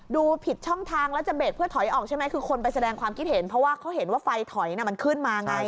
ดูผิดช่องทางแล้วจะเบรกเพื่อถอยออกใช่ไหมคือคนไปแสดงความคิดเห็นเพราะว่าเขาเห็นว่าไฟถอยมันขึ้นมาไง